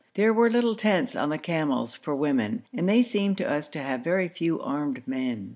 There were little tents on the camels for women, and they seemed to us to have very few armed men.